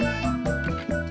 aku mau berbual